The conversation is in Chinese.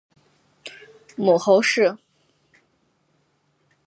母侯氏。